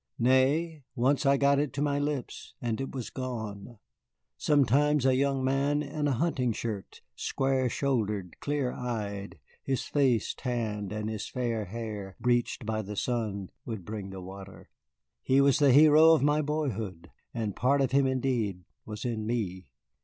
Nay, once I got it to my lips, and it was gone. Sometimes a young man in a hunting shirt, square shouldered, clear eyed, his face tanned and his fair hair bleached by the sun, would bring the water. He was the hero of my boyhood, and part of him indeed was in me.